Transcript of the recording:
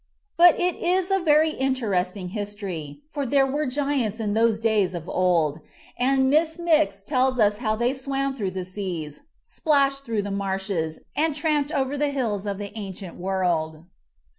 But it is a very interesting history, "for there were giants in those days of old" and Miss Mix tells us how they swam through the seas, splashed through the marshes, and tramped over the hills of the ancient world.